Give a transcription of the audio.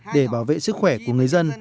để bảo vệ sức khỏe của người dân